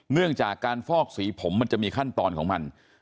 เนื่องจากการฟอกสีผมมันจะมีขั้นตอนของมัน